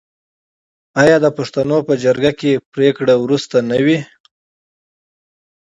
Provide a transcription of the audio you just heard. آیا د پښتنو په جرګه کې پریکړه وروستۍ نه وي؟